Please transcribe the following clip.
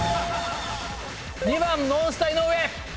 ２番ノンスタ井上。